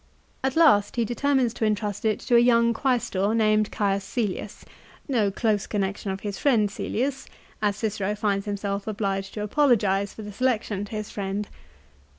At last he determines to intrust it to a young Quaestor named C. Cselius, no close connection of his friend Cselius, as Cicero finds himself obliged to apologise for the selection to his friend.